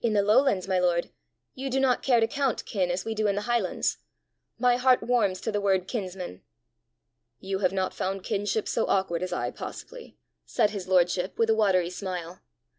"In the lowlands, my lord, you do not care to count kin as we do in the highlands! My heart warms to the word kinsman." "You have not found kinship so awkward as I, possibly!" said his lordship, with a watery smile.